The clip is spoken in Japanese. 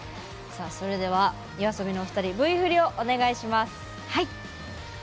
それではＹＯＡＳＯＢＩのお二人Ｖフリをお願いします！